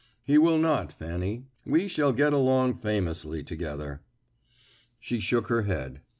"He will not, Fanny. We shall get along famously together." She shook her head.